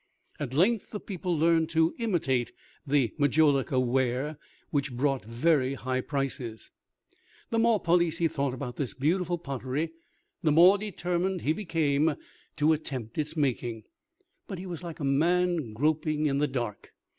At length the people learned to imitate this Majolica ware, which brought very high prices. The more Palissy thought about this beautiful pottery, the more determined he became to attempt its making. But he was like a man groping in the dark.